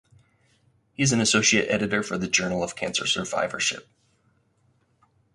He is an Associate Editor for the Journal of Cancer Survivorship.